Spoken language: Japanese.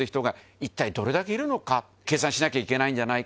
一体どれだけいるのか彁擦靴覆いけないんじゃないか？